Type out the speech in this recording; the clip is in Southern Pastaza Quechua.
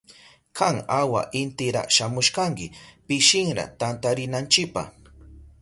Kan awa intira shamushkanki pishinra tantarinanchipa.